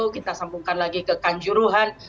kita sambungkan lagi ke kanjuruhan